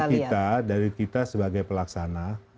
ya bagi kita dari kita sebagai pelaksana